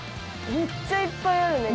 めっちゃいっぱいあるね。